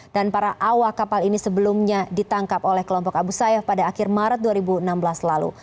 dan para awa kapal ini sebelumnya ditangkap oleh kelompok abu sayyaf pada akhir maret dua ribu enam belas lalu